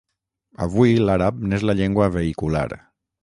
Avui l’àrab n’és la llengua vehicular.